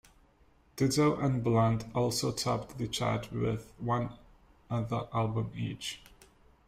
Dido and Blunt also topped the chart with one other album each.